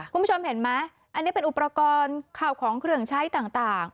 คุณผู้ชมเห็นไหมอันนี้เป็นอุปกรณ์ข่าวของเครื่องใช้ต่าง